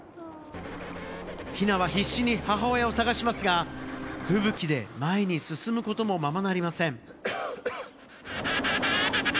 ヒナは必死に母親を探しますが、吹雪で前に進むこともままなりません。